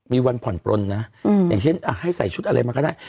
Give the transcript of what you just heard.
มีวันผ่อนปลนนะอย่างเช่นให้ใส่ชุดอะไรมาก็ได้